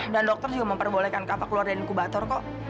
dan dokter juga memperbolehkan kava keluar dari inkubator kok